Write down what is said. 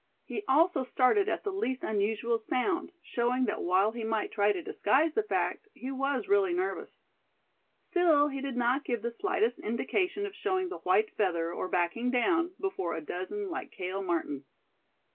He also started at the least unusual sound, showing that while he might try to disguise the fact, he was really nervous. Still, he did not give the slightest indication of showing the white feather, or backing down, before a dozen like Cale Martin.